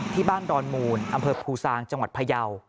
ดอนมูลอำเภอภูซางจังหวัดพยาว